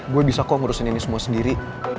gue bisa kok ngurusin ini semua sendiri